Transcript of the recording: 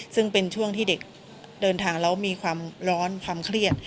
ซึ่งเป็นช่วงที่เด็กเดินทางแล้วมีความร้อนความเครียด